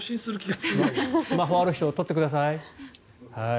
スマホがある人は撮ってください。